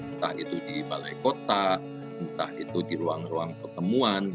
entah itu di balai kota entah itu di ruang ruang pertemuan